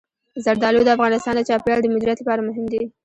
زردالو د افغانستان د چاپیریال د مدیریت لپاره مهم دي.